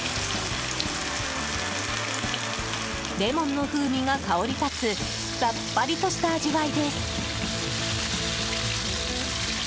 レモンの風味が香り立つさっぱりとした味わいです。